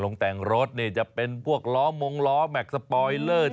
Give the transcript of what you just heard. แต่งรถจะเป็นพวกล้อมงล้อแม็กซ์สปอยเลอร์